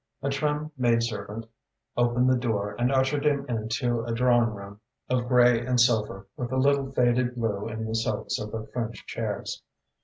A trim maid servant opened the door and ushered him into a drawing room of grey and silver, with a little faded blue in the silks of the French chairs.